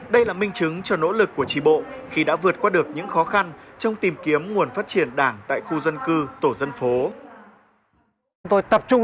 đây là minh chứng cho nỗ lực của trí bộ khi đã vượt qua được những khó khăn trong tìm kiếm nguồn phát triển đảng tại khu dân cư tổ dân phố